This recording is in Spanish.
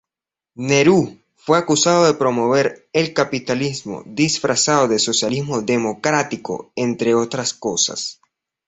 Nehru fue acusado de promover el capitalismo disfrazado de socialismo democrático, entre otras cosas.